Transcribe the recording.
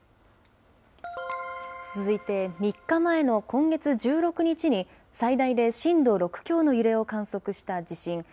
続いて、３日前の今月１６日に、最大で震度６強の揺れを観測した地震。